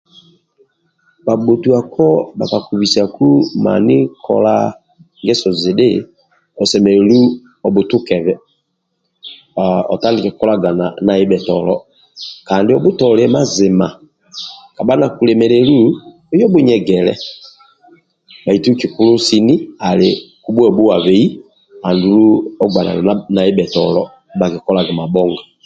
Bhabhutuako bhakakubisiku mani kola ngeso zidhi osemelelu obhutukebe hhh otandike kolagana na ndibhetolo kandi obhutolie mazima kabha nakulemelelii oye obhunyegele bhaitu kikulu sini ali kubhuvhuabei ogbanane na dibha kikolga kima mabhonga